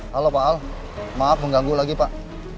halo pak al maaf mengganggu lagi pak